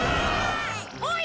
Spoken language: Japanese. おい！